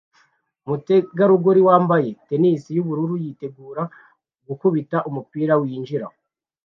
umutegarugori wambaye tennis yubururu yitegura gukubita umupira winjira